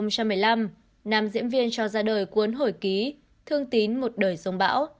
năm hai nghìn một mươi năm nam diễn viên cho ra đời cuốn hồi ký thương tín một đời sống bão